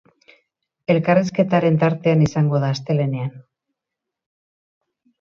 Elkarrizketaren tartean izango da astelehenean.